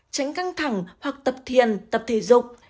tránh căng thẳng hoặc tập thiền tập thể dục